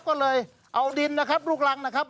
ก็เลยเอาดินนะครับลูกรังนะครับ